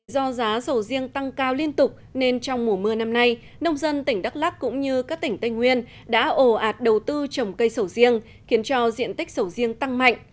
do giá sầu riêng tăng cao liên tục nên trong mùa mưa năm nay nông dân tỉnh đắk lắc cũng như các tỉnh tây nguyên đã ồ ạt đầu tư trồng cây sầu riêng khiến cho diện tích sầu riêng tăng mạnh